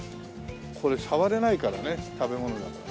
これ触れないからね食べ物だから。